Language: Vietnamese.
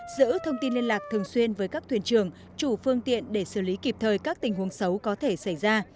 giữ thông tin liên lạc thường xuyên với các thuyền trường chủ phương tiện để xử lý kịp thời các tình huống xấu có thể xảy ra